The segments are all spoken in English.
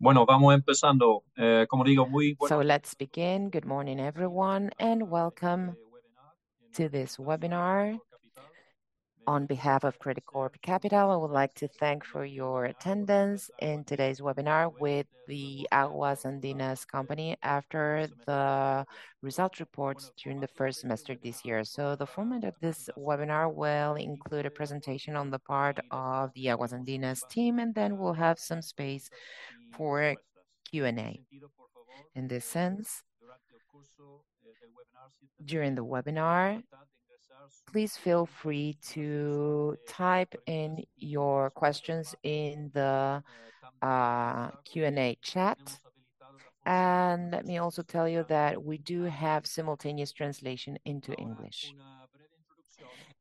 Good morning, everyone, and welcome to this webinar. On behalf of Credicorp Capital, I would like to thank for your attendance in today's webinar with the Aguas Andinas company after the results reports during the first semester this year. The format of this webinar will include a presentation on the part of the Aguas Andinas team, and then we'll have some space for a Q&A. In this sense, during the webinar, please feel free to type in your questions in the Q&A chat. Let me also tell you that we do have simultaneous translation into English.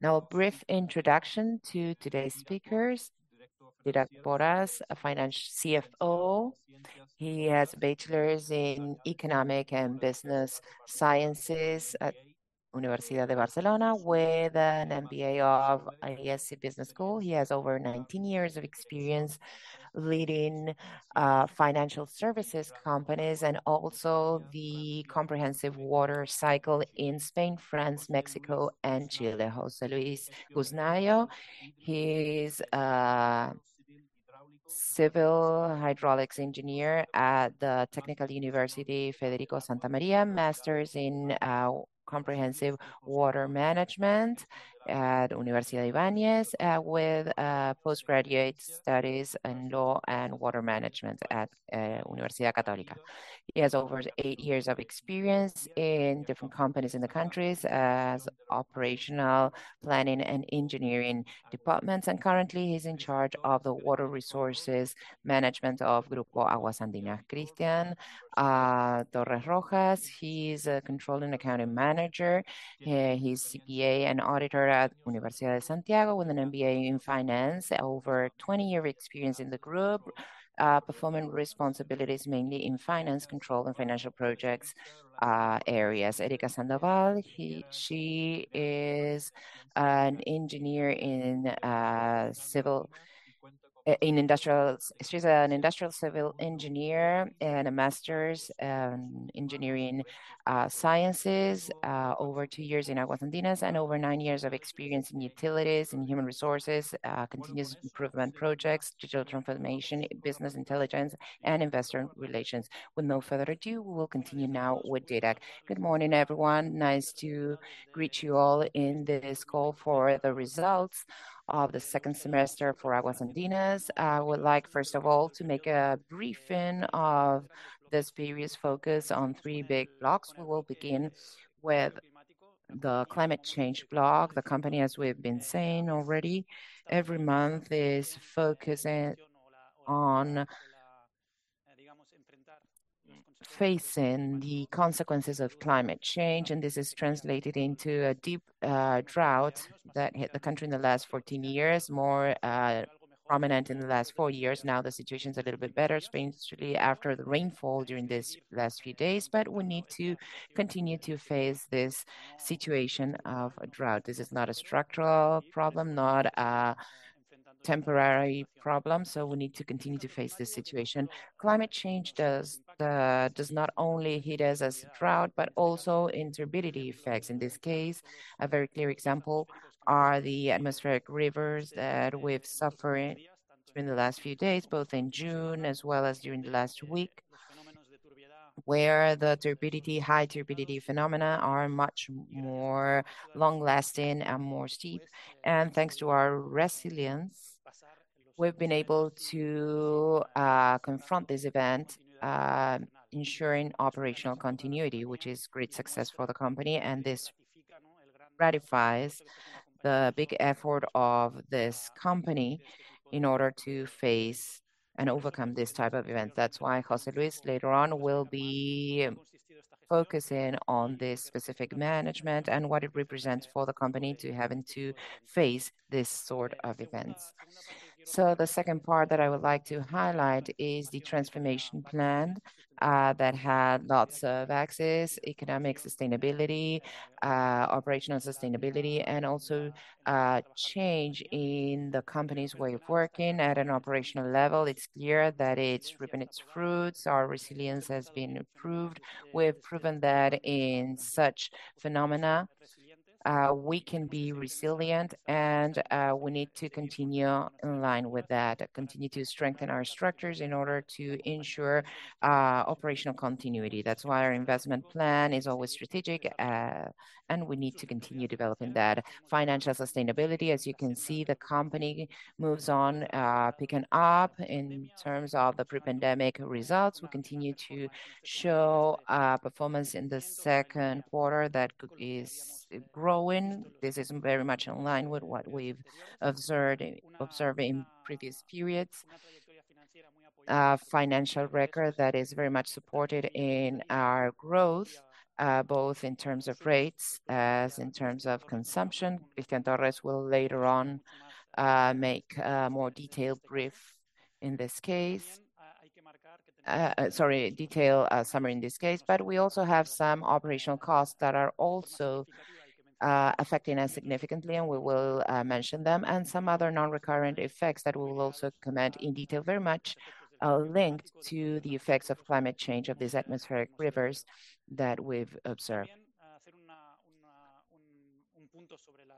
Now, a brief introduction to today's speakers. Dídac Borràs, CFO. He has a bachelor's in Economic and Business Sciences at Universitat de Barcelona with an MBA of IESE Business School. He has over 19 years of experience leading financial services companies and also the comprehensive water cycle in Spain, France, Mexico, and Chile. José Luis Murillo, he is a civil hydraulics engineer at the Universidad Técnica Federico Santa María, master's in comprehensive water management at Universidad Adolfo Ibáñez, with postgraduate studies in law and water management at Pontificia Universidad Católica de Chile. He has over eight years of experience in different companies in the countries as operational planning and engineering departments, and currently, he's in charge of the Water Resources Management of Grupo Aguas Andinas. Cristian Torres Rojas, he's a control and accounting manager. He's CPA and auditor at Universidad de Santiago de Chile with an MBA in finance. Over 20-year experience in the group, performing responsibilities mainly in finance, control, and financial projects areas. Erika Sandoval, she is an engineer in civil in industrial. She is an Industrial Civil Engineer and a Master's in Engineering Sciences. Over two years in Aguas Andinas and over nine years of experience in utilities and human resources, continuous improvement projects, digital transformation, business intelligence, and investor relations. With no further ado, we will continue now with Dídac. Good morning, everyone. Nice to greet you all in this call for the results of the second semester for Aguas Andinas. I would like, first of all, to make a briefing of this various focus on three big blocks. We will begin with the climate change block. The company, as we've been saying already, every month is focusing on facing the consequences of climate change, and this is translated into a deep drought that hit the country in the last 14 years, more prominent in the last four years. Now, the situation's a little bit better, especially after the rainfall during this last few days, but we need to continue to face this situation of a drought. This is not a structural problem, not a temporary problem, so we need to continue to face this situation. Climate change does not only hit us as drought, but also in turbidity effects. In this case, a very clear example are the atmospheric rivers that we've suffered during the last few days, both in June as well as during the last week, where the turbidity, high turbidity phenomena are much more long-lasting and more steep. Thanks to our resilience, we've been able to confront this event, ensuring operational continuity, which is great success for the company. This ratifies the big effort of this company in order to face and overcome this type of event. That's why José Luis later on will be focusing on this specific management and what it represents for the company to having to face this sort of events. The second part that I would like to highlight is the transformation plan that had lots of axes: economic sustainability, operational sustainability, and also change in the company's way of working. At an operational level, it's clear that it's ripping its fruits. Our resilience has been improved. We've proven that in such phenomena, we can be resilient, and we need to continue in line with that. Continue to strengthen our structures in order to ensure operational continuity. That's why our investment plan is always strategic, and we need to continue developing that financial sustainability. As you can see, the company moves on, picking up in terms of the pre-pandemic results. We continue to show performance in the second quarter that is growing. This is very much in line with what we've observed in observing previous periods. Financial record that is very much supported in our growth, both in terms of rates as in terms of consumption. Cristian Torres will later on make a more detailed brief in this case. Sorry, detailed summary in this case. But we also have some operational costs that are also affecting us significantly, and we will mention them. Some other non-recurrent effects that we will also comment in detail, very much linked to the effects of climate change of these atmospheric rivers that we've observed.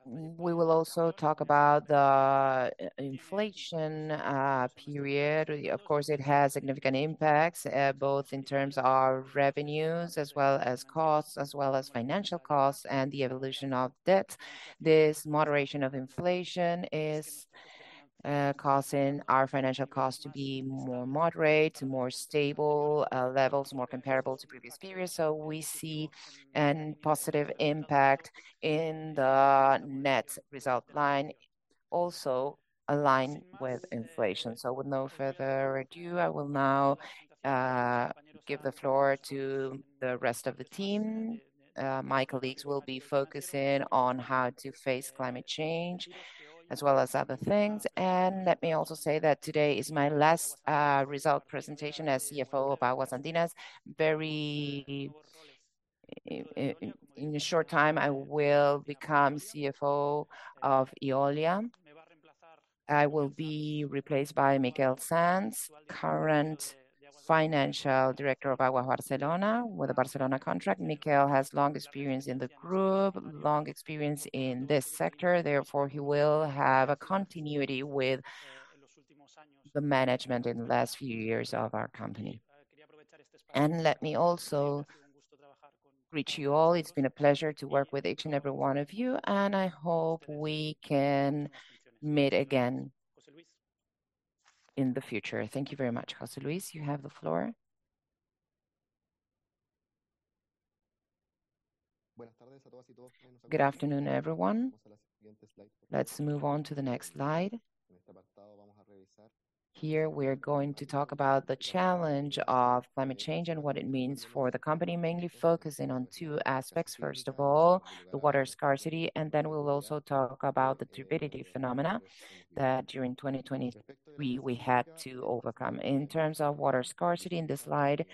We will also talk about the inflation period. Of course, it has significant impacts both in terms our revenues as well as costs, as well as financial costs and the evolution of debt. This moderation of inflation is causing our financial costs to be more moderate, more stable levels, more comparable to previous periods. We see an positive impact in the net result line, also aligned with inflation. With no further ado, I will now give the floor to the rest of the team. My colleagues will be focusing on how to face climate change as well as other things. Let me also say that today is my last result presentation as CFO of Aguas Andinas. In a short time, I will become CFO of Eolia. I will be replaced by Miquel Sans, current Financial Director of Aigües de Barcelona with a Barcelona contract. Miquel has long experience in the group, long experience in this sector, therefore, he will have a continuity with the management in the last few years of our company. Let me also greet you all. It's been a pleasure to work with each and every one of you, and I hope we can meet again in the future. Thank you very much. José Luis, you have the floor. Good afternoon, everyone. Let's move on to the next slide. Here, we're going to talk about the challenge of climate change and what it means for the company, mainly focusing on two aspects. First of all, the water scarcity, and then we'll also talk about the turbidity phenomena that during 2020 we had to overcome. In terms of water scarcity, in this slide,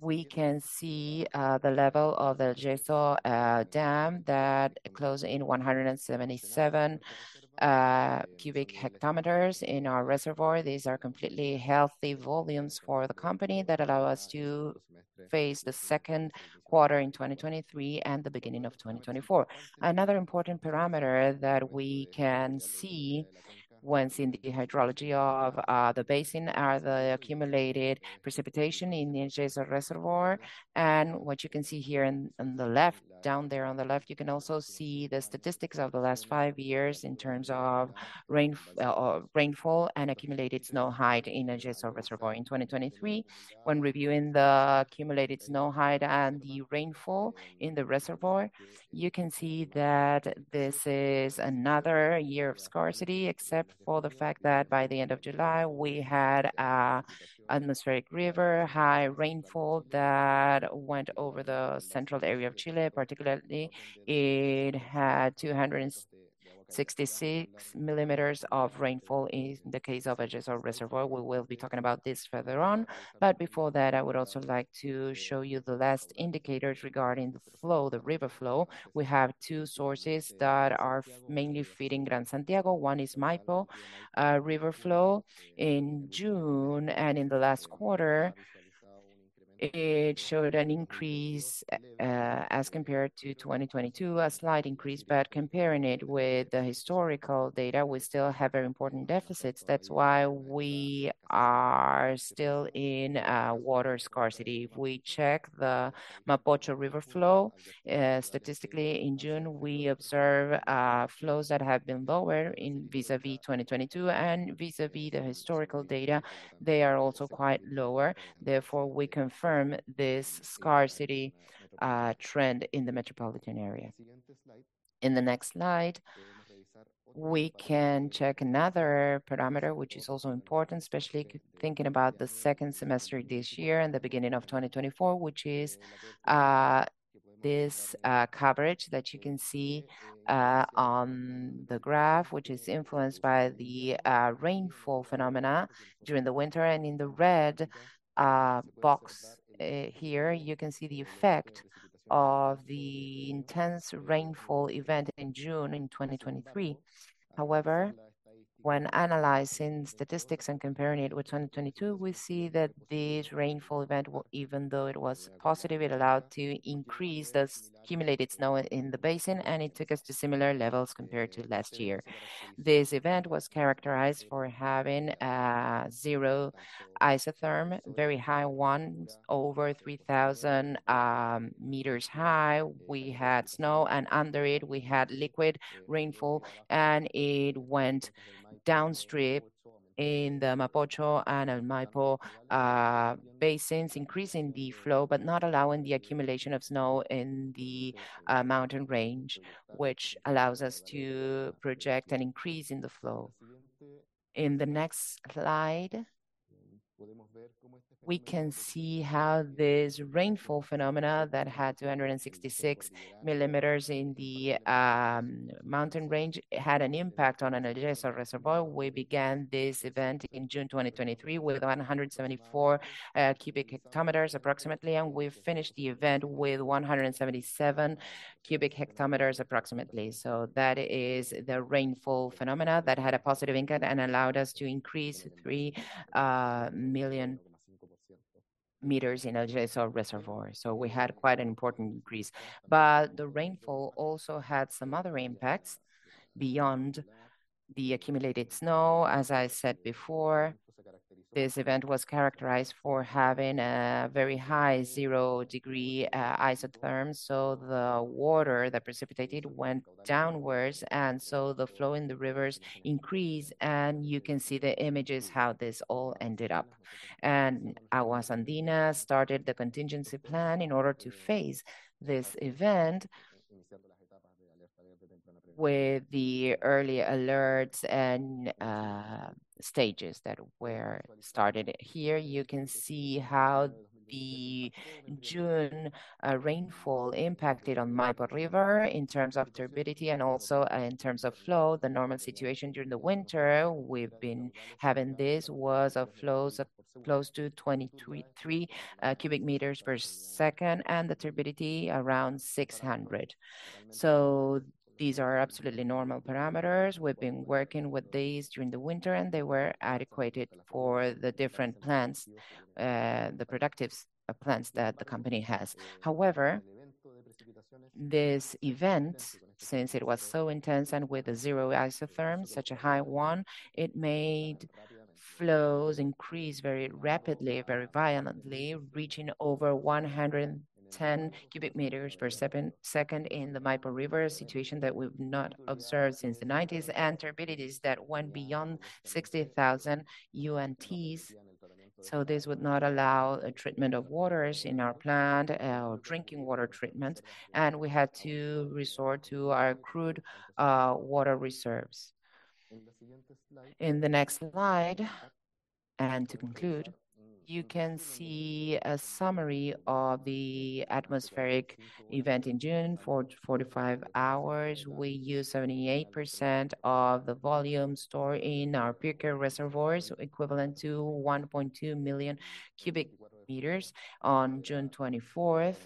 we can see the level of the El Yeso Dam that closed in 177 cubic hectometers in our reservoir. These are completely healthy volumes for the company that allow us to face the second quarter in 2023 and the beginning of 2024. Another important parameter that we can see when seeing the hydrology of the basin are the accumulated precipitation in the El Yeso Reservoir. What you can see here in the left, down there on the left, you can also see the statistics of the last five years in terms of rainfall and accumulated snow height in El Yeso Reservoir in 2023. When reviewing the accumulated snow height and the rainfall in the reservoir, you can see that this is another year of scarcity, except for the fact that by the end of July, we had an atmospheric river, high rainfall that went over the central area of Chile. Particularly, it had 266 millimeters of rainfall in the case of El Yeso Reservoir. We will be talking about this further on. Before that, I would also like to show you the last indicators regarding the flow, the river flow. We have two sources that are mainly feeding Gran Santiago. One is Maipo River flow. In June, and in the last quarter, it showed an increase, as compared to 2022, a slight increase. Comparing it with the historical data, we still have very important deficits. That's why we are still in water scarcity. If we check the Mapocho River flow statistically in June, we observe flows that have been lower vis-à-vis 2022 and vis-à-vis the historical data. They are also quite lower. Therefore, we confirm this scarcity trend in the metropolitan area. In the next slide, we can check another parameter, which is also important, especially thinking about the second semester this year and the beginning of 2024, which is this coverage that you can see on the graph, which is influenced by the rainfall phenomena during the winter. In the red box here, you can see the effect of the intense rainfall event in June in 2023. When analyzing statistics and comparing it with 2022, we see that this rainfall event, even though it was positive, allowed to increase the accumulated snow in the basin, and it took us to similar levels compared to last year. This event was characterized for having a zero-degree isotherm, very high one, over 3,000 meters high. We had snow, and under it, we had liquid rainfall, and it went downstream in the Mapocho and Maipo basins, increasing the flow, but not allowing the accumulation of snow in the mountain range, which allows us to project an increase in the flow. In the next slide, we can see how this rainfall phenomena that had 266 millimeters in the mountain range had an impact on El Yeso Reservoir. We began this event in June 2023 with 174 cubic hectometers approximately, and we finished the event with 177 cubic hectometers approximately. That is the rainfall phenomena that had a positive impact and allowed us to increase three million meters in El Yeso Reservoir. We had quite an important increase. The rainfall also had some other impacts beyond the accumulated snow. As I said before, this event was characterized for having a very high zero-degree isotherm. The water that precipitated went downwards, and the flow in the rivers increased. You can see the images how this all ended up. Aguas Andinas started the contingency plan in order to face this event with the early alerts and stages that were started. Here you can see how the June rainfall impacted on Maipo River in terms of turbidity and also in terms of flow. The normal situation during the winter we've been having was flows close to 23 cubic meters per second, and the turbidity around 600. These are absolutely normal parameters. We've been working with these during the winter, and they were adequate for the different plants, the productive plants that the company has. However, this event, since it was so intense and with a zero-degree isotherm, such a high one, it made flows increase very rapidly, very violently, reaching over 110 cubic meters per second in the Maipo River, a situation that we've not observed since the 1990s, and turbidities that went beyond 60,000 NTUs. This would not allow a treatment of waters in our plant, our drinking water treatment, and we had to resort to our crude water reserves. In the next slide, and to conclude, you can see a summary of the atmospheric event in June. For 45 hours, we used 78% of the volume stored in our Pirque reservoirs, equivalent to 1.2 million cubic meters. On June 24th,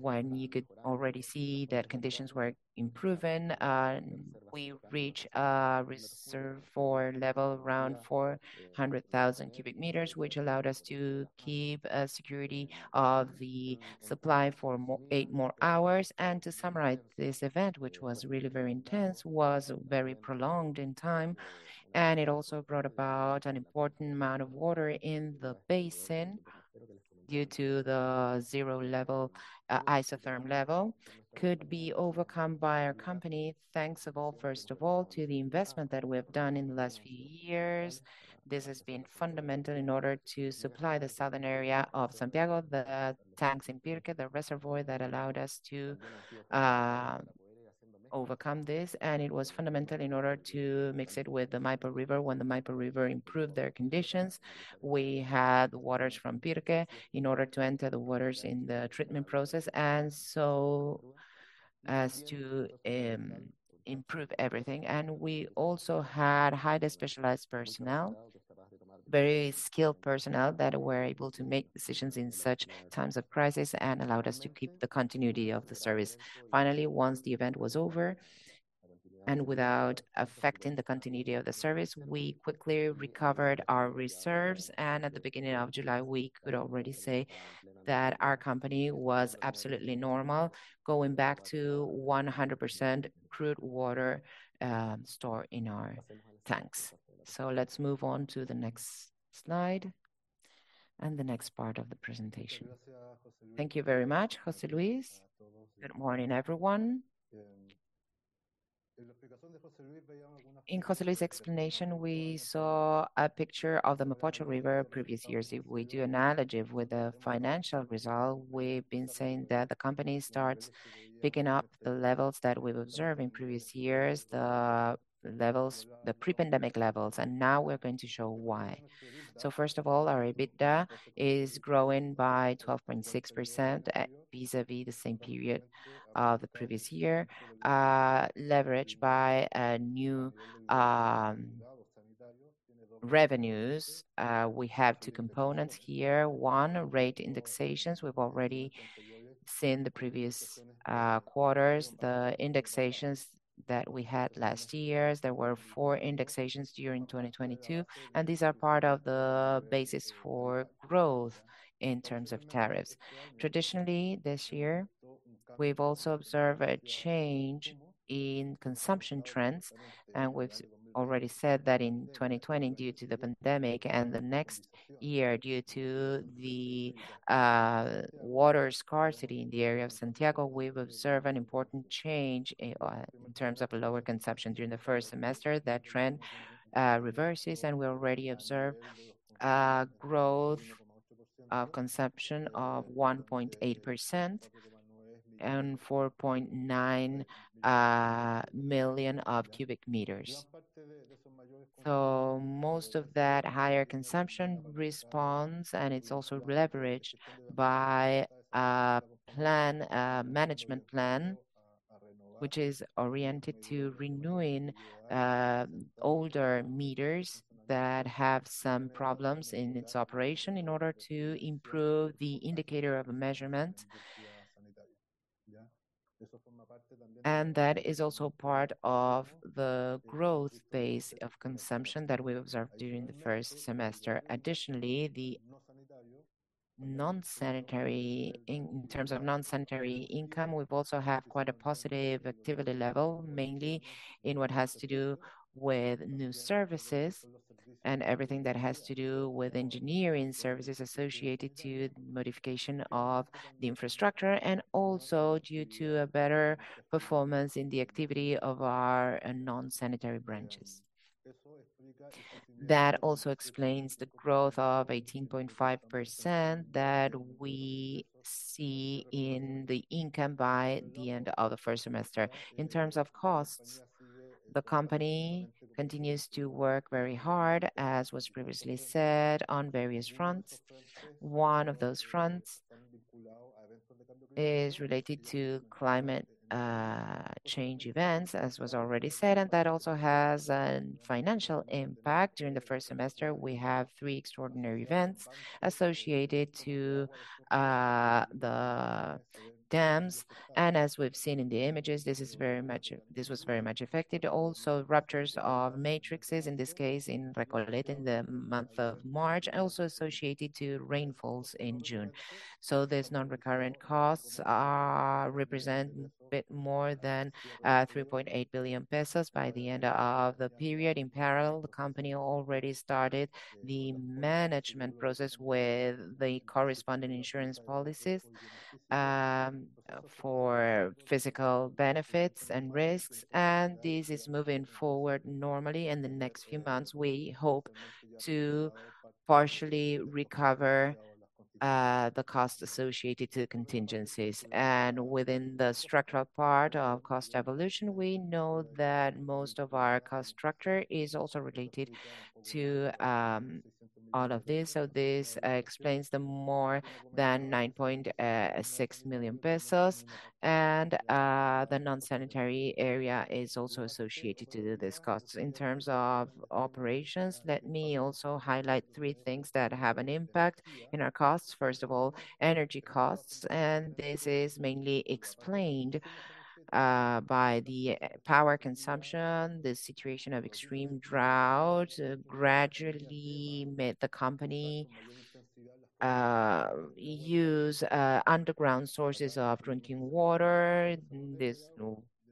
when you could already see that conditions were improving, and we reached a reservoir level around 400,000 cubic meters, which allowed us to keep a security of the supply for eight more hours. To summarize this event, which was really very intense, was very prolonged in time, and it also brought about an important amount of water in the basin due to the zero-degree isotherm level, could be overcome by our company, thanks to all, first of all, to the investment that we have done in the last few years. This has been fundamental in order to supply the southern area of Santiago, the tanks in Pirque, the reservoir that allowed us to overcome this. It was fundamental in order to mix it with the Maipo River. When the Maipo River improved their conditions, we had waters from Pirque in order to enter the waters in the treatment process and so as to improve everything. We also had highly specialized personnel, very skilled personnel that were able to make decisions in such times of crisis and allowed us to keep the continuity of the service. Finally, once the event was over and without affecting the continuity of the service, we quickly recovered our reserves. At the beginning of July, we could already say that our company was absolutely normal, going back to 100% crude water stored in our tanks. Let's move on to the next slide and the next part of the presentation. Thank you very much, José Luis. Good morning, everyone. In José Luis's explanation, we saw a picture of the Mapocho River previous years. If we do analogy with the financial result, we've been saying that the company starts picking up the levels that we've observed in previous years, the pre-pandemic levels, and now we're going to show why. First of all, our EBITDA is growing by 12.6% vis-à-vis the same period of the previous year, leveraged by new revenues. We have two components here. One, rate indexations. We've already seen the previous quarters, the indexations that we had last years. There were four indexations during 2022, and these are part of the basis for growth in terms of tariffs. Traditionally, this year, we've also observed a change in consumption trends, and we've already said that in 2020 due to the pandemic and the next year due to the water scarcity in the area of Santiago, we've observed an important change in terms of lower consumption. During the first semester, that trend reverses, and we already observe growth of consumption of 1.8% and 4.9 million cubic meters. Most of that higher consumption responds, and it's also leveraged by a plan, a management plan, which is oriented to renewing older meters that have some problems in its operation in order to improve the indicator of a measurement. That is also part of the growth base of consumption that we observed during the first semester. Additionally, the non-sanitary... In terms of non-sanitary income, we've also have quite a positive activity level, mainly in what has to do with new services and everything that has to do with engineering services associated to modification of the infrastructure and also due to a better performance in the activity of our non-sanitary branches. That also explains the growth of 18.5% that we see in the income by the end of the first semester. In terms of costs, the company continues to work very hard, as was previously said, on various fronts. One of those fronts is related to climate change events, as was already said, and that also has a financial impact. During the first semester, we have three extraordinary events associated to the dams. As we've seen in the images, this was very much affected. Ruptures of mains, in this case in Recoleta in the month of March, and also associated to rainfalls in June. These non-recurrent costs are representing a bit more than 3.8 billion pesos by the end of the period. In parallel, the company already started the management process with the corresponding insurance policies, for physical benefits and risks, and this is moving forward normally. In the next few months, we hope to partially recover, the cost associated to contingencies. Within the structural part of cost evolution, we know that most of our cost structure is also related to, all of this. This explains the more than 9.6 million pesos. The non-sanitary area is also associated to these costs. In terms of operations, let me also highlight three things that have an impact in our costs. First of all, energy costs, and this is mainly explained by the power consumption. The situation of extreme drought gradually made the company use underground sources of drinking water. This,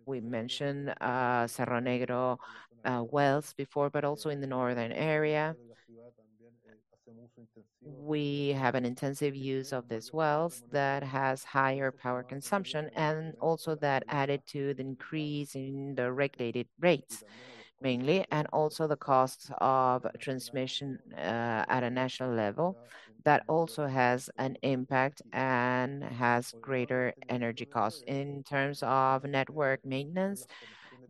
we mentioned, Cerro Negro wells before, but also in the northern area. We have an intensive use of these wells that has higher power consumption, and also that added to the increase in the regulated rates mainly, and also the costs of transmission at a national level. That also has an impact and has greater energy costs. In terms of network maintenance,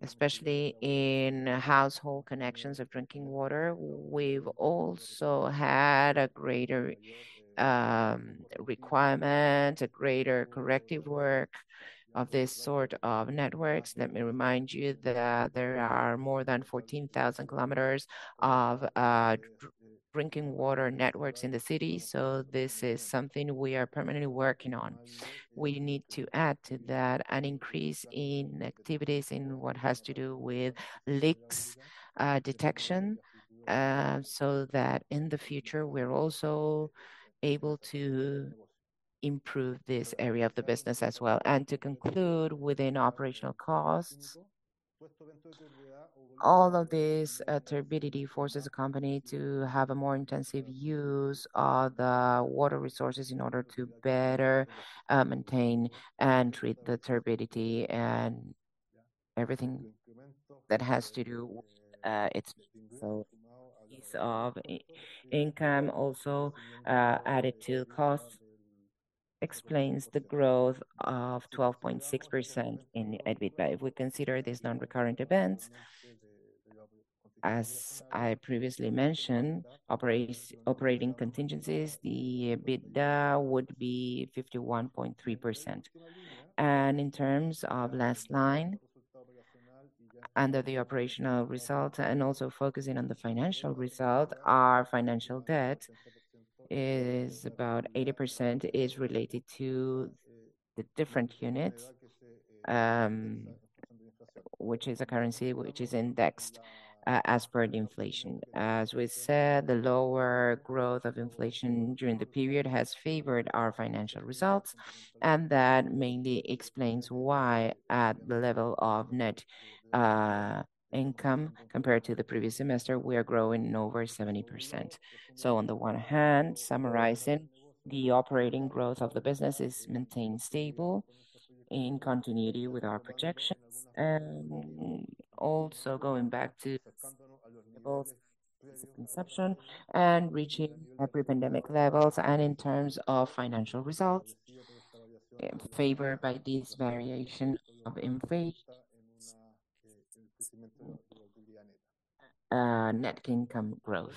especially in household connections of drinking water, we've also had a greater requirement, a greater corrective work of this sort of networks. Let me remind you that there are more than 14,000 kilometers of drinking water networks in the city. This is something we are permanently working on. We need to add to that an increase in activities in what has to do with leaks, detection, so that in the future, we're also able to improve this area of the business as well. To conclude, within operational costs, all of this, turbidity forces the company to have a more intensive use of the water resources in order to better maintain and treat the turbidity and everything that has to do with its flow. Increase in income also added to costs explains the growth of 12.6% in the EBITDA. If we consider these non-recurrent events, as I previously mentioned, operating contingencies, the EBITDA would be 51.3%. In terms of the last line under the operational result and also focusing on the financial result, our financial debt is about 80% related to the different units, which is a currency which is indexed as per the inflation. As we said, the lower growth of inflation during the period has favored our financial results, and that mainly explains why at the level of net income compared to the previous semester, we are growing over 70%. On the one hand, summarizing, the operating growth of the business is maintained stable in continuity with our projections. Also going back to both consumption and reaching our pre-pandemic levels and in terms of financial results, favored by this variation of inflation, net income growth.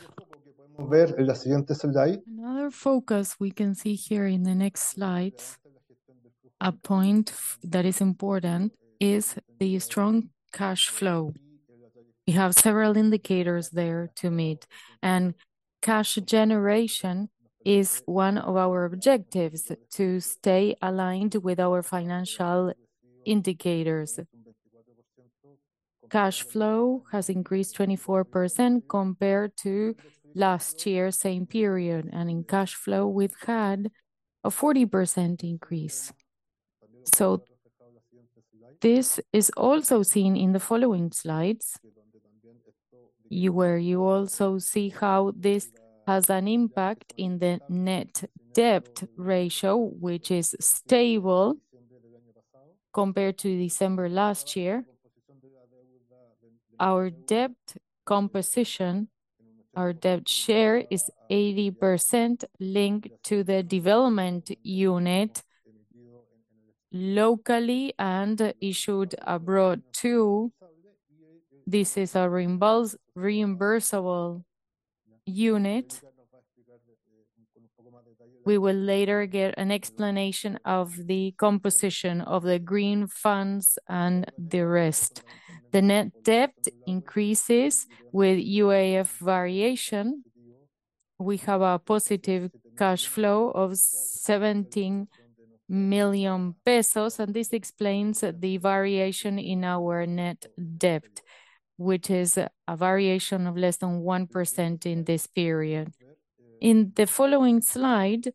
Another focus we can see here in the next slides, a point that is important is the strong cash flow. We have several indicators there to meet, and cash generation is one of our objectives to stay aligned with our financial indicators. Cash flow has increased 24% compared to last year's same period, and in cash flow, we've had a 40% increase. This is also seen in the following slides. Where you also see how this has an impact in the net debt ratio, which is stable compared to December last year. Our debt composition, our debt share is 80% linked to the UF locally and issued abroad too. This is a reimbursable unit. We will later get an explanation of the composition of the green funds and the rest. The net debt increases with UF variation. We have a positive cash flow of 17 million pesos, and this explains the variation in our net debt, which is a variation of less than 1% in this period. In the following slide,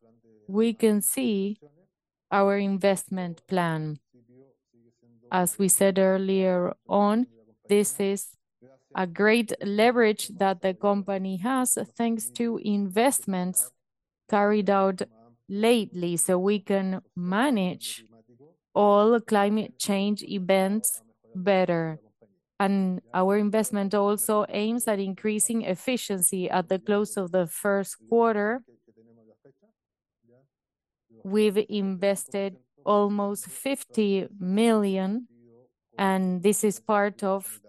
we can see our investment plan. As we said earlier on, this is a great leverage that the company has, thanks to investments carried out lately, so we can manage all climate change events better. Our investment also aims at increasing efficiency at the close of the first quarter. We've invested almost 50 million, and this is part of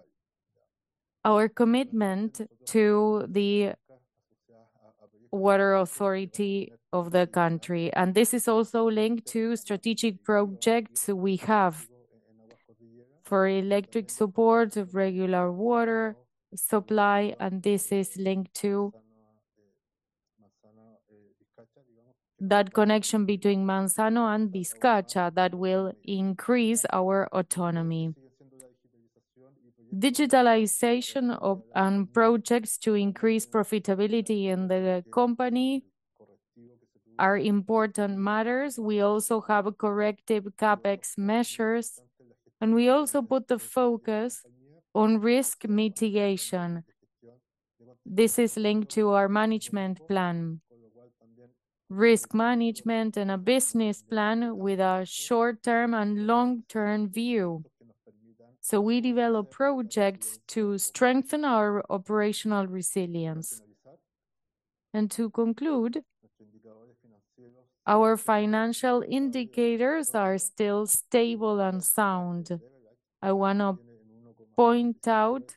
our commitment to the water authority of the country. This is also linked to strategic projects we have for electric support of regular water supply, and this is linked to that connection between El Manzano and Las Vizcachas that will increase our autonomy. Digitalization of projects to increase profitability in the company are important matters. We also have corrective CapEx measures, and we also put the focus on risk mitigation. This is linked to our management plan, risk management, and a business plan with a short-term and long-term view. We develop projects to strengthen our operational resilience. To conclude, our financial indicators are still stable and sound. I wanna point out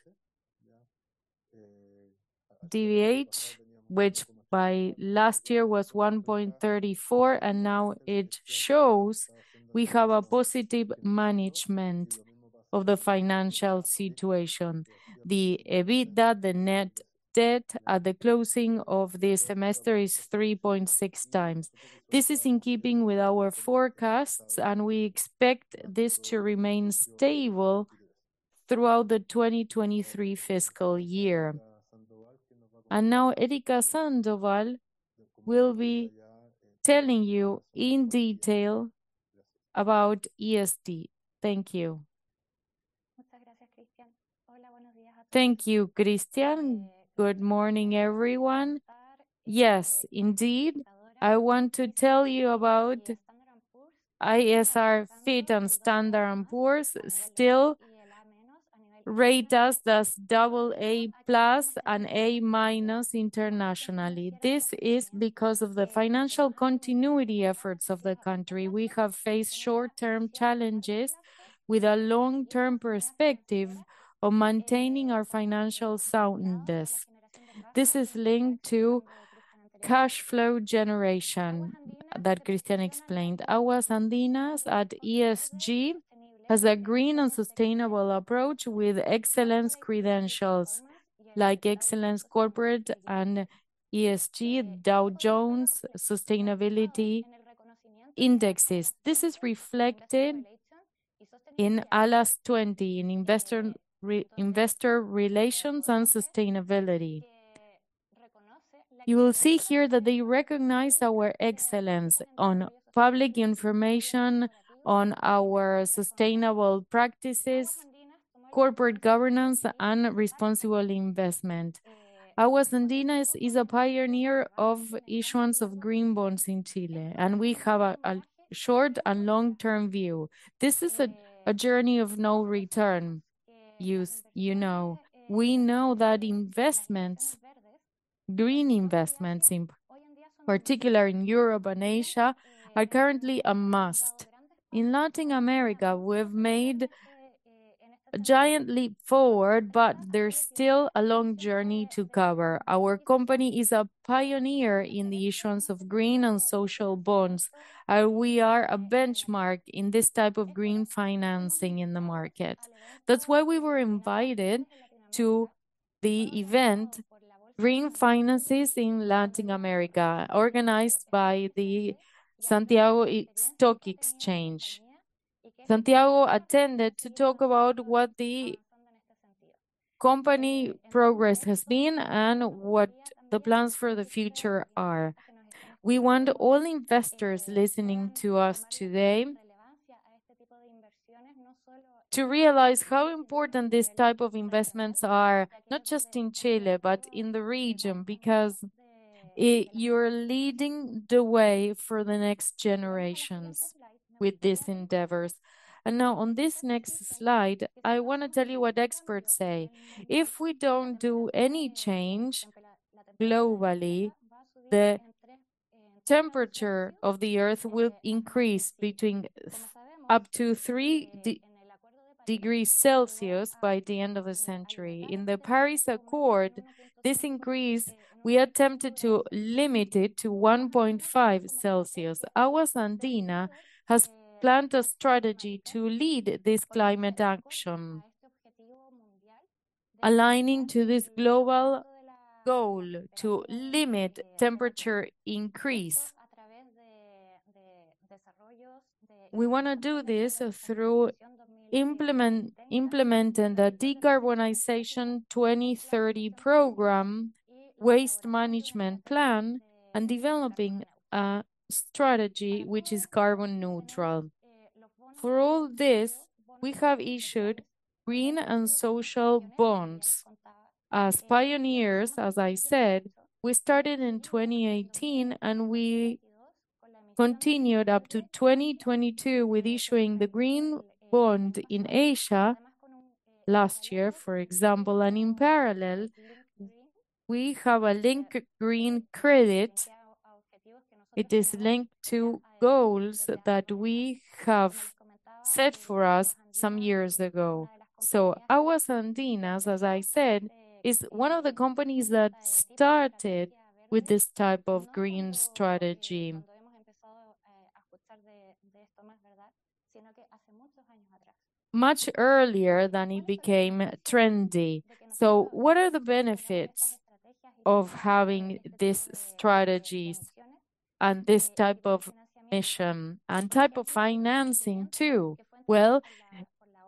DSCR, which by last year was 1.34, and now it shows we have a positive management of the financial situation. The EBITDA, the net debt at the closing of this semester is 3.6 times. This is in keeping with our forecasts, and we expect this to remain stable throughout the 2023 fiscal year. Now Erika Sandoval will be telling you in detail about ESG. Thank you. Thank you, Cristian. Good morning, everyone. Yes, indeed. I want to tell you about our fit on Standard & Poor's still rates us as AA+ and A- internationally. This is because of the financial continuity efforts of the country. We have faced short-term challenges with a long-term perspective of maintaining our financial soundness. This is linked to cash flow generation that Cristian explained. Aguas Andinas at ESG has a green and sustainable approach with excellence credentials like excellence corporate and ESG, Dow Jones Sustainability Indices. This is reflected in, in investor relations and sustainability. You will see here that they recognize our excellence on public information, on our sustainable practices, corporate governance, and responsible investment. Aguas Andinas is a pioneer of issuance of green bonds in Chile, and we have a short- and long-term view. This is a journey of no return, you know. We know that investments, green investments in particular in Europe and Asia, are currently a must. In Latin America, we've made a giant leap forward, but there's still a long journey to cover. Our company is a pioneer in the issuance of green and social bonds. We are a benchmark in this type of green financing in the market. That's why we were invited to the event, Green Finance in Latin America, organized by the Santiago Stock Exchange. Santiago attended to talk about what the company's progress has been and what the plans for the future are. We want all investors listening to us today to realize how important these type of investments are, not just in Chile, but in the region, because you're leading the way for the next generations with these endeavors. Now on this next slide, I wanna tell you what experts say. If we don't do any change globally, the temperature of the Earth will increase up to three degrees Celsius by the end of the century. In the Paris Agreement, this increase, we attempted to limit it to 1.5 Celsius. Aguas Andinas has planned a strategy to lead this climate action, aligning to this global goal to limit temperature increase. We wanna do this through implementing the Decarbonization 2030 program, waste management plan, and developing a strategy which is carbon neutral. For all this, we have issued green and social bonds. As pioneers, as I said, we started in 2018, and we continued up to 2022 with issuing the green bond in Asia last year, for example. In parallel, we have a linked green credit. It is linked to goals that we have set for us some years ago. Aguas Andinas, as I said, is one of the companies that started with this type of green strategy much earlier than it became trendy. What are the benefits of having these strategies and this type of mission and type of financing too? Well,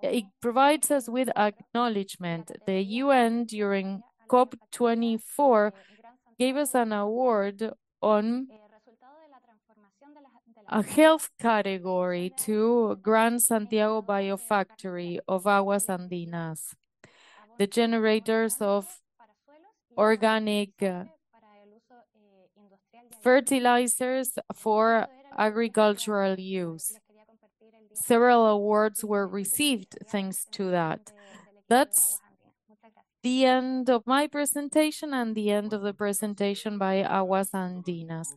it provides us with acknowledgment. The UN, during COP 24, gave us an award on a health category to Gran Santiago Biofactory of Aguas Andinas, the generators of organic fertilizers for agricultural use. Several awards were received thanks to that. That's the end of my presentation and the end of the presentation by Aguas Andinas.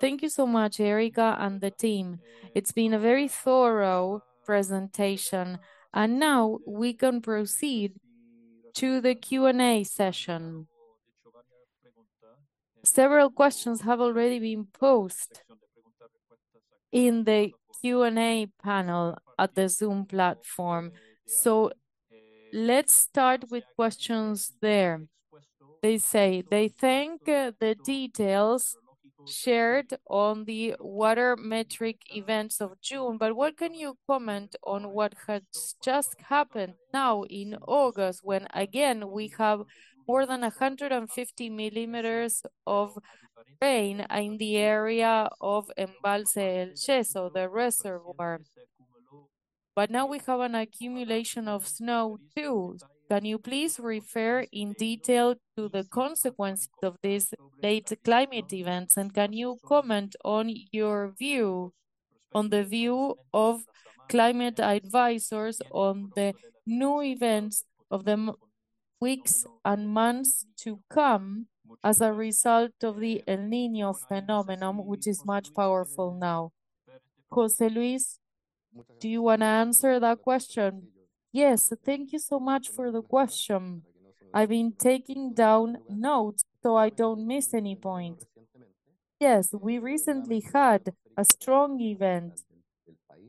Thank you so much, Erika and the team. It's been a very thorough presentation, and now we can proceed to the Q&A session. Several questions have already been posed in the Q&A panel at the Zoom platform. Let's start with questions there. They say they thank the details shared on the water metric events of June, but what can you comment on what has just happened now in August, when again we have more than 150 millimeters of rain in the area of Embalse El Yeso, the reservoir. Now we have an accumulation of snow too. Can you please refer in detail to the consequences of these later climate events, and can you comment on your view on the view of climate advisors on the new events of the weeks and months to come as a result of the El Niño phenomenon, which is much powerful now? José Luis, do you wanna answer that question? Yes. Thank you so much for the question. I've been taking down notes, so I don't miss any point. Yes, we recently had a strong event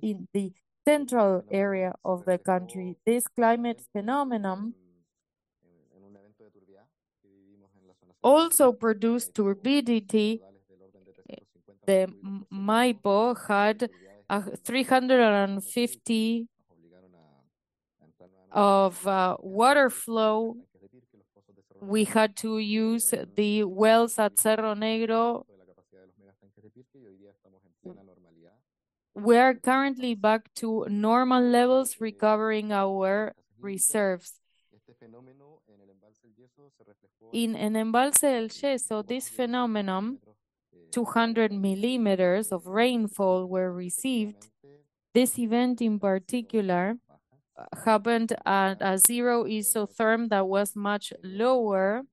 in the central area of the country. This climate phenomenon also produced turbidity. The Maipo had 350 of water flow. We had to use the wells at Cerro Negro. We are currently back to normal levels, recovering our reserves. In Embalse El Yeso, this phenomenon, 200 millimeters of rainfall were received. This event in particular happened at a zero-degree isotherm that was much lower.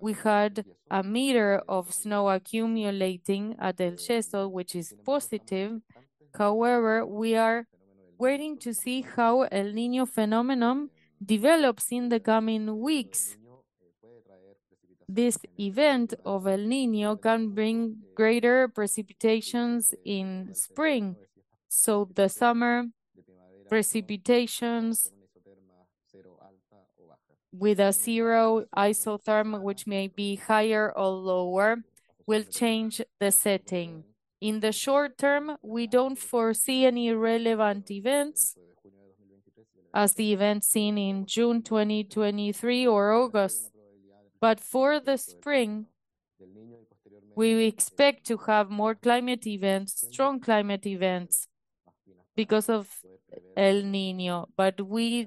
We had a meter of snow accumulating at El Yeso, which is positive. However, we are waiting to see how El Niño phenomenon develops in the coming weeks. This event of El Niño can bring greater precipitations in spring. The summer precipitations with a zero-degree isotherm, which may be higher or lower, will change the setting. In the short term, we don't foresee any relevant events as the events seen in June 2023 or August. For the spring, we expect to have more climate events, strong climate events because of El Niño, but we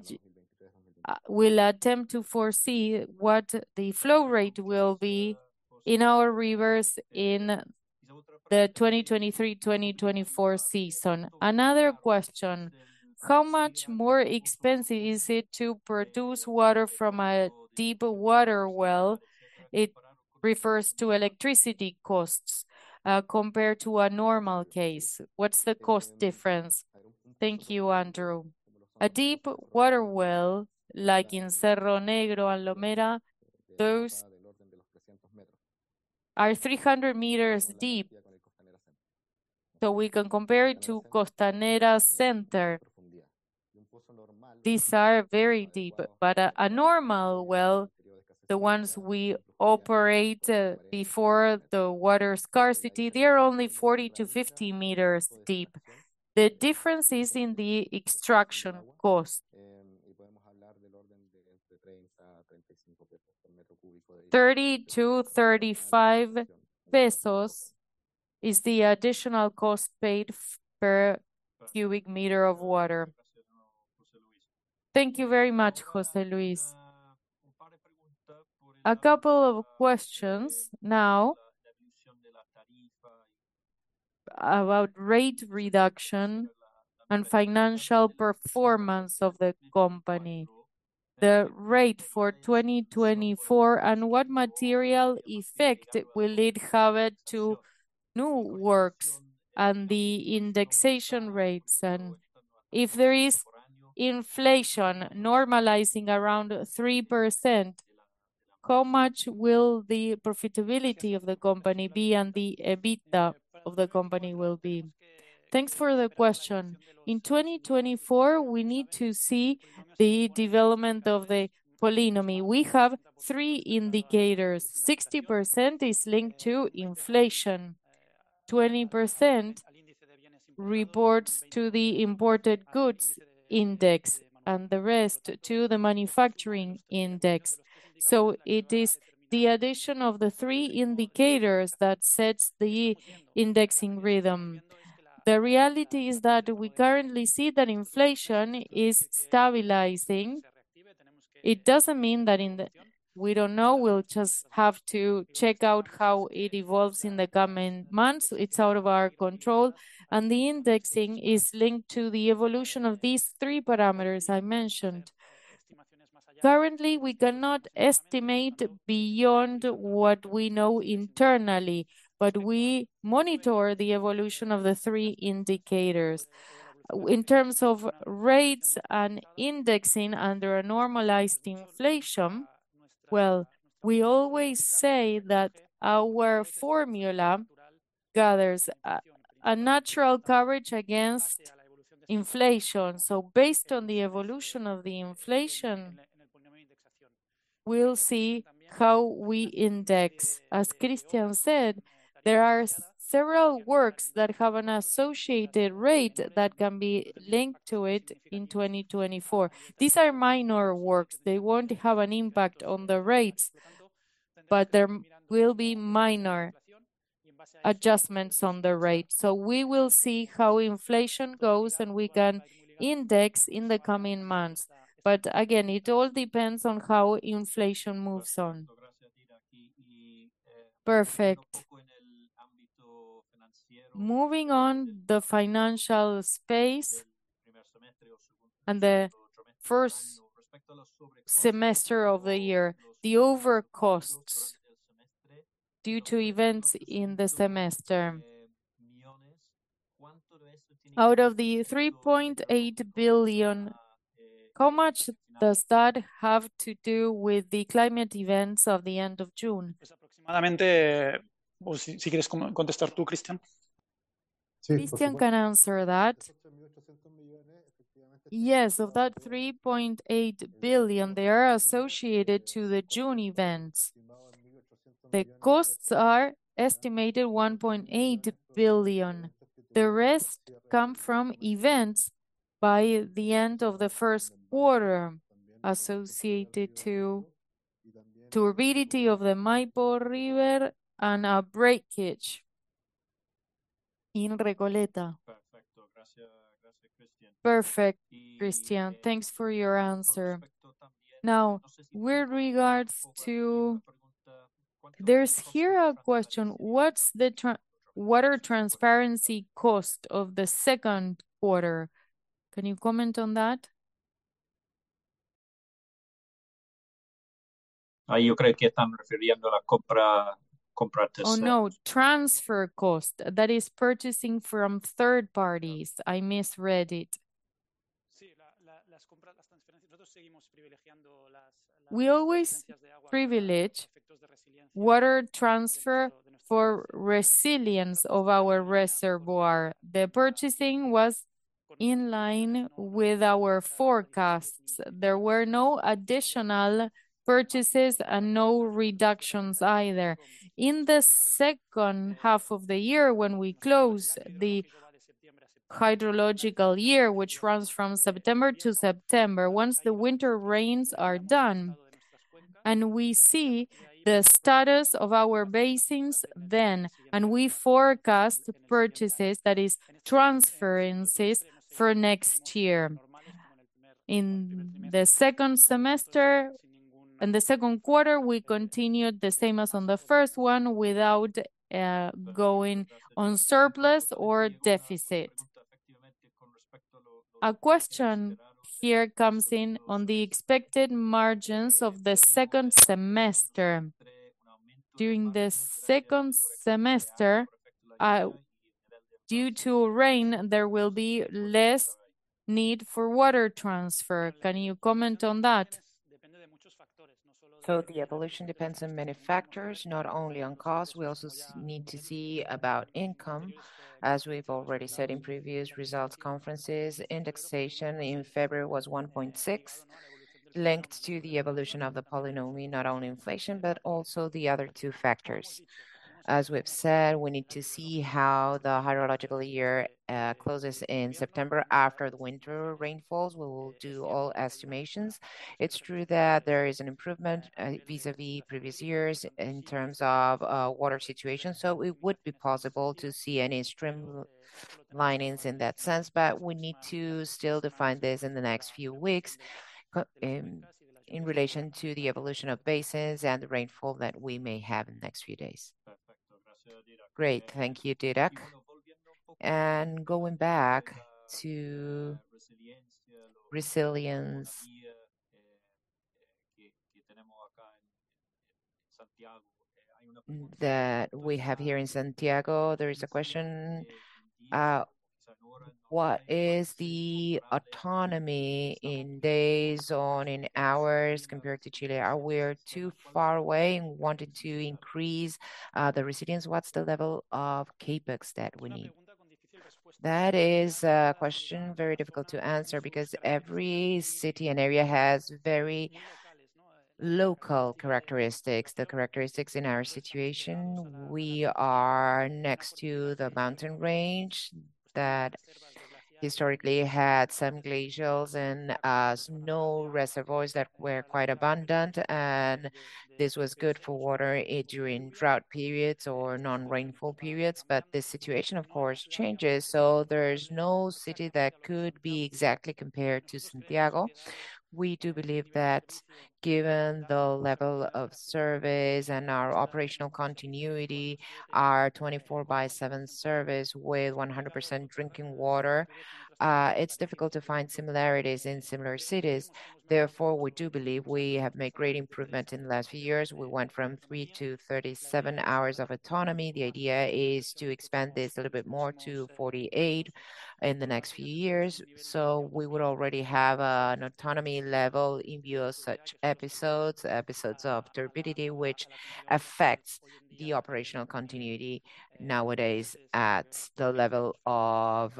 will attempt to foresee what the flow rate will be in our rivers in the 2023/2024 season. Another question: How much more expensive is it to produce water from a deeper water well? It refers to electricity costs compared to a normal case. What's the cost difference? Thank you, Andrew. A deep water well, like in Cerro Negro and Lo Mena, those are 300 meters deep. So we can compare it to Costanera Center. These are very deep, but a normal well, the ones we operate before the water scarcity, they are only 40-50 meters deep. The difference is in the extraction cost. 30-35 pesos is the additional cost paid per cubic meter of water. Thank you very much, José Luis. A couple of questions now about rate reduction and financial performance of the company. The rate for 2024, and what material effect will it have on the new works and the indexation rates? And if there is inflation normalizing around 3%, how much will the profitability of the company be and the EBITDA of the company will be? Thanks for the question. In 2024, we need to see the development of the polynomial. We have three indicators. 60% is linked to inflation. 20% reports to the imported goods index, and the rest to the manufacturing index. It is the addition of the three indicators that sets the indexing rhythm. The reality is that we currently see that inflation is stabilizing. It doesn't mean that. We don't know. We'll just have to check out how it evolves in the coming months. It's out of our control, and the indexing is linked to the evolution of these three parameters I mentioned. Currently, we cannot estimate beyond what we know internally, but we monitor the evolution of the three indicators. In terms of rates and indexing under a normalized inflation, well, we always say that our formula gathers a natural coverage against inflation. Based on the evolution of the inflation, we'll see how we index. As Cristian said, there are several works that have an associated rate that can be linked to it in 2024. These are minor works. They won't have an impact on the rates, but there will be minor adjustments on the rate. We will see how inflation goes, and we can index in the coming months. Again, it all depends on how inflation moves on. Perfect. Moving on, the financial space. The first semester of the year, the over costs due to events in the semester. Out of the 3.8 billion, how much does that have to do with the climate events of the end of June? Cristian can answer that. Yes. Of that 3.8 billion, they are associated to the June events. The costs are estimated 1.8 billion. The rest come from events by the end of the first quarter associated to turbidity of the Maipo River and a breakage in Recoleta. Perfect, Cristian. Thanks for your answer. Now, with regards to. There's here a question: what's the water transparency cost of the second quarter? Can you comment on that? Oh, no. Transfer cost. That is purchasing from third parties. I misread it. We always privilege water transfer for resilience of our reservoir. The purchasing was in line with our forecasts. There were no additional purchases and no reductions either. In the second half of the year when we close the hydrological year, which runs from September to September, once the winter rains are done and we see the status of our basins then, and we forecast purchases, that is transferences, for next year. In the second quarter, we continued the same as on the first one without going on surplus or deficit. A question here comes in on the expected margins of the second semester. During the second semester, due to rain, there will be less need for water transfer. Can you comment on that? The evolution depends on many factors, not only on cost. We also need to see about income. As we've already said in previous results conferences, indexation in February was 1.6, linked to the evolution of the polynomial, not only inflation, but also the other two factors. As we've said, we need to see how the hydrological year closes in September after the winter rainfalls. We will do all estimations. It's true that there is an improvement vis-à-vis previous years in terms of water situation, so it would be possible to see any streamlining in that sense. But we need to still define this in the next few weeks in relation to the evolution of bases and the rainfall that we may have in the next few days. Great. Thank you, Dídac. Going back to resilience that we have here in Santiago, there is a question, what is the autonomy in days or in hours compared to Chile? Are we too far away and want to increase the resilience? What's the level of CapEx that we need? That is a question very difficult to answer because every city and area has very local characteristics. The characteristics in our situation, we are next to the mountain range that historically had some glaciers and snow reservoirs that were quite abundant, and this was good for water during drought periods or non-rainfall periods. The situation of course changes, so there's no city that could be exactly compared to Santiago. We do believe that given the level of service and our operational continuity, our 24/7 service with 100% drinking water, it's difficult to find similarities in similar cities. Therefore, we do believe we have made great improvement in the last few years. We went from 3 to 37 hours of autonomy. The idea is to expand this a little bit more to 48 in the next few years, so we would already have an autonomy level in view of such episodes of turbidity, which affects the operational continuity nowadays at the level of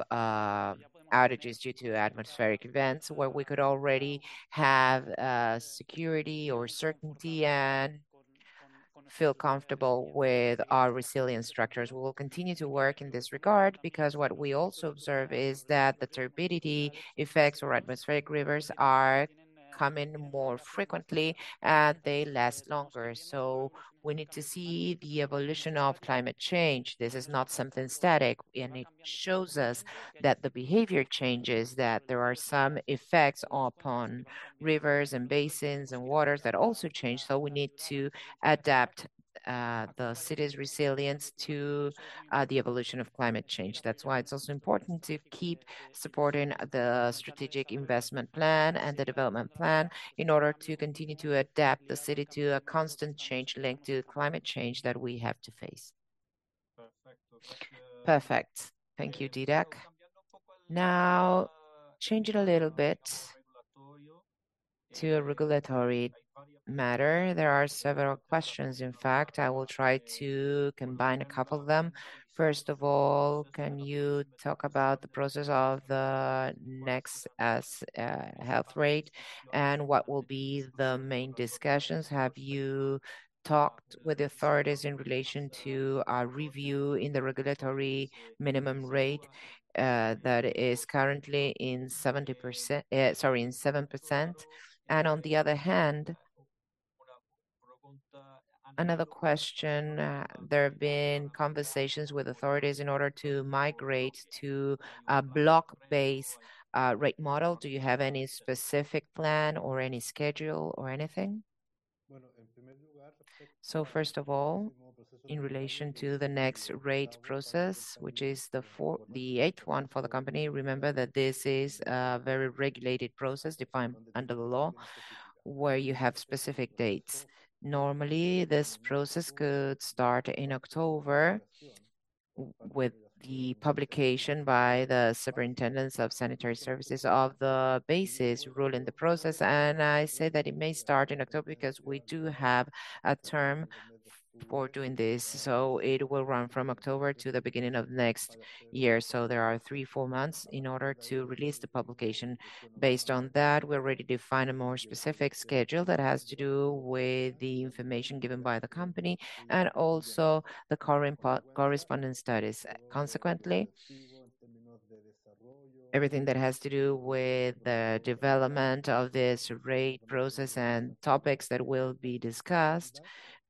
outages due to atmospheric events, where we could already have security or certainty and feel comfortable with our resilience structures. We will continue to work in this regard because what we also observe is that the turbidity effects or atmospheric rivers are coming more frequently, and they last longer. We need to see the evolution of climate change. This is not something static, and it shows us that the behavior changes, that there are some effects upon rivers and basins and waters that also change. We need to adapt the city's resilience to the evolution of climate change. That's why it's also important to keep supporting the strategic investment plan and the development plan in order to continue to adapt the city to a constant change linked to climate change that we have to face. Perfect. Thank you, Dídac. Now, change it a little bit to a regulatory matter. There are several questions, in fact. I will try to combine a couple of them. First of all, can you talk about the process of the next tariff rate, and what will be the main discussions? Have you talked with the authorities in relation to a review in the regulatory minimum rate that is currently in 7%? On the other hand, another question. There have been conversations with authorities in order to migrate to a block-based rate model. Do you have any specific plan or any schedule or anything? First of all, in relation to the next rate process, which is the eighth one for the company, remember that this is a very regulated process defined under the law where you have specific dates. Normally, this process could start in October with the publication by the Superintendencia de Servicios Sanitarios of the bases ruling the process. I say that it may start in October because we do have a term for doing this, so it will run from October to the beginning of next year. There are three, four months in order to release the publication. Based on that, we're ready to find a more specific schedule that has to do with the information given by the company and also the correspondent studies. Consequently, everything that has to do with the development of this rate process and topics that will be discussed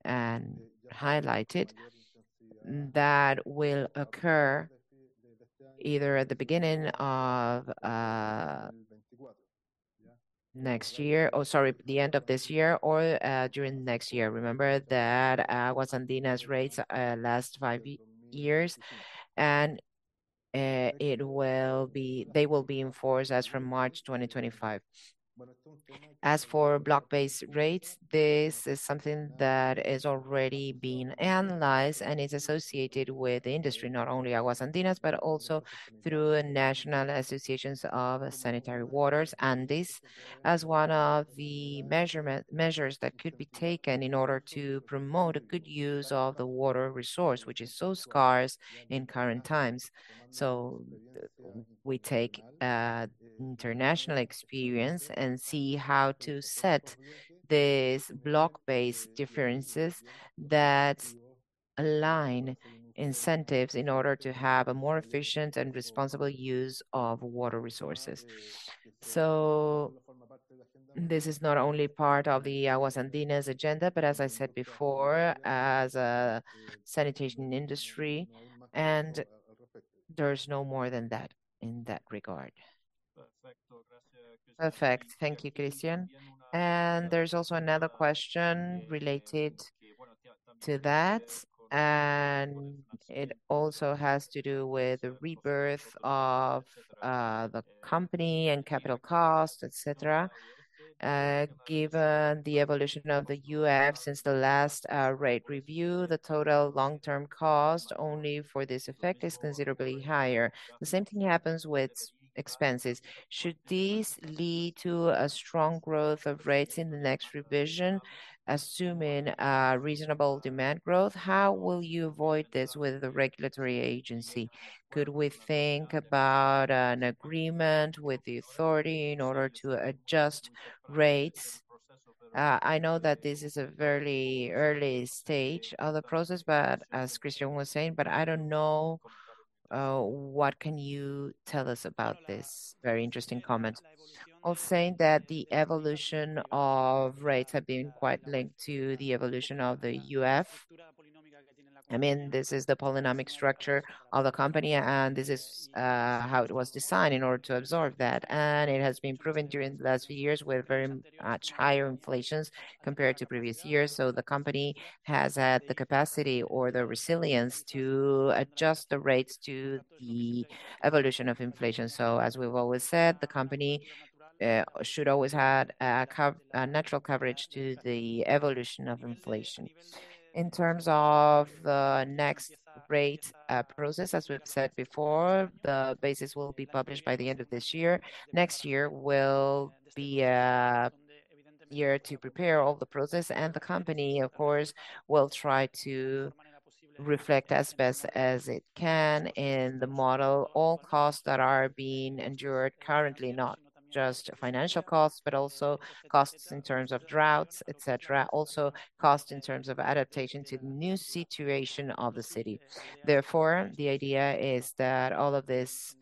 and highlighted, that will occur either at the end of this year or during next year. Remember that Aguas Andinas rates last five years and they will be enforced as from March 2025. As for block-based rates, this is something that is already being analyzed and is associated with the industry, not only Aguas Andinas, but also through National Association of Sanitation Services, and this as one of the measures that could be taken in order to promote a good use of the water resource, which is so scarce in current times. We take international experience and see how to set these block-based differences that align incentives in order to have a more efficient and responsible use of water resources. This is not only part of the Aguas Andinas agenda, but as I said before, as a sanitation industry. There's no more than that in that regard. Perfect. Thank you, Cristian. There's also another question related to that, and it also has to do with the CapEx of the company and capital cost, et cetera. Given the evolution of the UF since the last rate review, the total long-term cost only for this effect is considerably higher. The same thing happens with expenses. Should these lead to a strong growth of rates in the next revision, assuming reasonable demand growth, how will you avoid this with the regulatory agency? Could we think about an agreement with the authority in order to adjust rates? I know that this is a very early stage of the process, but as Cristian was saying, I don't know what can you tell us about this very interesting comment. Of saying that the evolution of rates have been quite linked to the evolution of the UF, I mean, this is the polinomio structure of the company, and this is how it was designed in order to absorb that. It has been proven during the last few years with very much higher inflations compared to previous years. The company has had the capacity or the resilience to adjust the rates to the evolution of inflation. As we've always said, the company should always add natural coverage to the evolution of inflation. In terms of the next rate process, as we've said before, the basis will be published by the end of this year. Next year will be a year to prepare all the process, and the company, of course, will try to reflect as best as it can in the model all costs that are being endured currently, not just financial costs, but also costs in terms of droughts, et cetera, also cost in terms of adaptation to the new situation of the city. Therefore, the idea is that all of this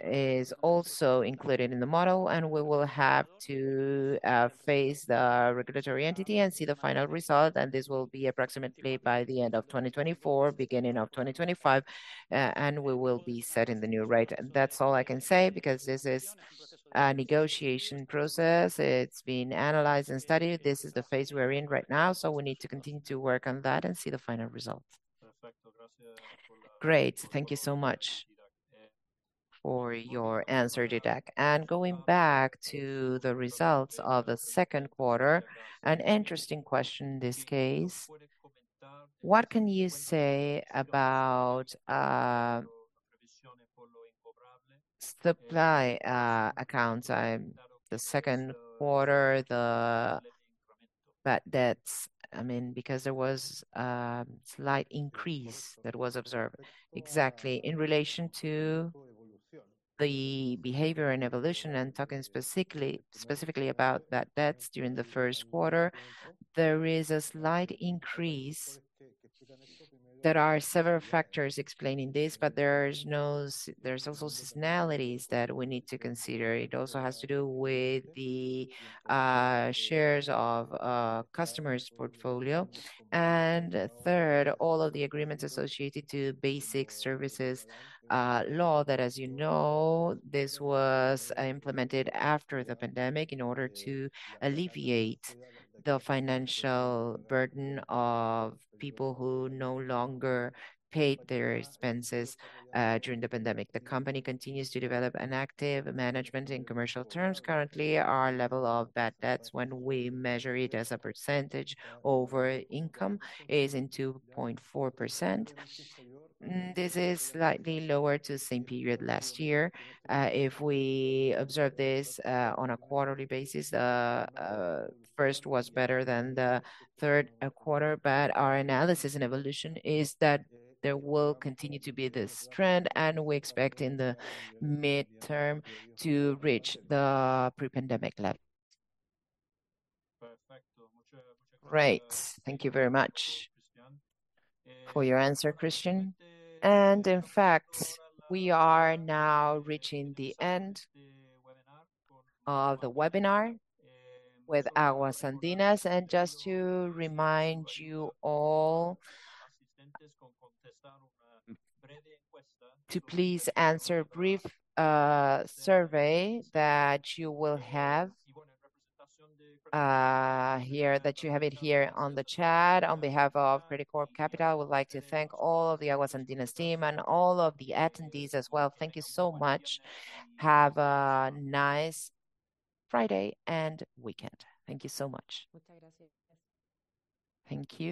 is also included in the model, and we will have to face the regulatory entity and see the final result, and this will be approximately by the end of 2024, beginning of 2025, and we will be setting the new rate. That's all I can say because this is a negotiation process. It's being analyzed and studied. This is the phase we're in right now, so we need to continue to work on that and see the final results. Great. Thank you so much for your answer, Dídac. Going back to the results of the second quarter, an interesting question in this case. What can you say about supply accounts? The second quarter, the bad debts, I mean, because there was a slight increase that was observed. Exactly. In relation to the behavior and evolution and talking specifically about bad debts during the first quarter, there is a slight increase. There are several factors explaining this, but there's also seasonalities that we need to consider. It also has to do with the shares of customers' portfolio. Third, all of the agreements associated to Basic Services Law that as you know, this was implemented after the pandemic in order to alleviate the financial burden of people who no longer paid their expenses during the pandemic. The company continues to develop an active management in commercial terms. Currently, our level of bad debts when we measure it as a percentage over income is in 2.4%. This is slightly lower to the same period last year. If we observe this on a quarterly basis, first was better than the third quarter, but our analysis and evolution is that there will continue to be this trend, and we expect in the midterm to reach the pre-pandemic level. Great. Thank you very much for your answer, Cristian. In fact, we are now reaching the end of the webinar with Aguas Andinas. Just to remind you all to please answer a brief survey that you will have here, that you have it here on the chat. On behalf of Credicorp Capital, I would like to thank all the Aguas Andinas team and all of the attendees as well. Thank you so much. Have a nice Friday and weekend. Thank you so much. Thank you.